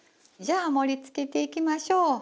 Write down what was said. じゃあ盛り付けていきましょう。